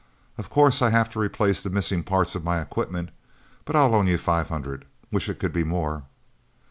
Of course I have to replace the missing parts of my equipment. But I'll loan you five hundred. Wish it could be more."